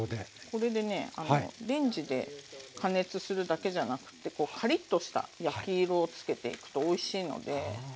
これでねレンジで加熱するだけじゃなくてこうカリッとした焼き色をつけていくとおいしいので。